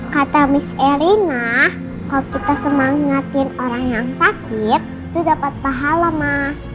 kata mis erina kalau kita semangatin orang yang sakit itu dapat pahala mah